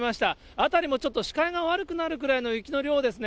辺りもちょっと、視界が悪くなるような雪の量ですね。